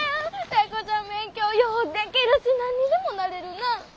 タイ子ちゃん勉強ようでけるし何にでもなれるな。